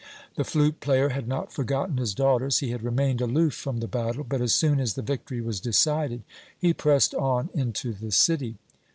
"The flute player had not forgotten his daughters. He had remained aloof from the battle, but as soon as the victory was decided, he pressed on into the city.